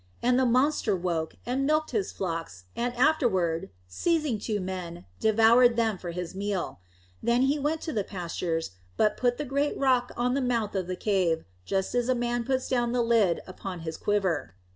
And the monster woke, and milked his flocks, and afterward, seizing two men, devoured them for his meal. Then he went to the pastures, but put the great rock on the mouth of the cave, just as a man puts down the lid upon his quiver.